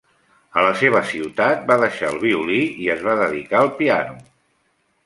A la seva ciutat va deixar el violí i es va dedicar al piano.